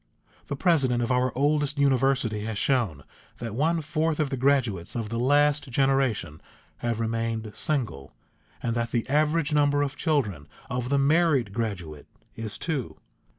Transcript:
The president of our oldest university has shown that one fourth of the graduates of the last generation have remained single, and that the average number of children of the married graduate is two.